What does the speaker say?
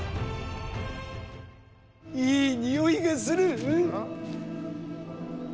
いい匂いがする。